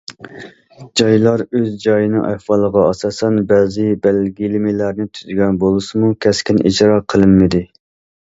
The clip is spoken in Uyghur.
جايلار ئۆز جايىنىڭ ئەھۋالىغا ئاساسەن، بەزى بەلگىلىمىلەرنى تۈزگەن بولسىمۇ، كەسكىن ئىجرا قىلىنمىدى.